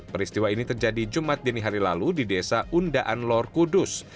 peristiwa ini terjadi jumat dini hari lalu di desa undaan lor kudus